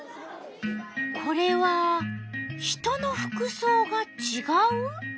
これは人の服そうがちがう？